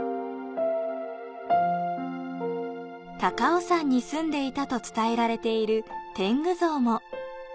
高尾山に住んでいたと伝えられている天狗像も。